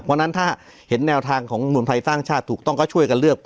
เพราะฉะนั้นถ้าเห็นแนวทางของเมืองไทยสร้างชาติถูกต้องก็ช่วยกันเลือก